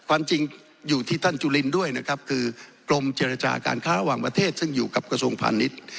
ความจริงอยู่ที่ท่านจุลินด้วยนะครับคือกรมเจรจาการค้าระหว่างประเทศซึ่งอยู่กับกระทรวงพาณิชย์